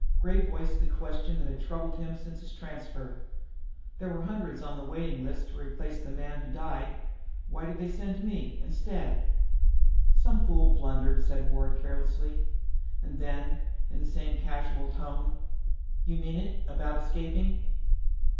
Gray voiced the question that had troubled him since his transfer. "There were hundreds on the waiting list to replace the man who died. Why did they send me, instead?" "Some fool blunder," said Ward carelessly. And then, in the same casual tone, "You mean it, about escaping?"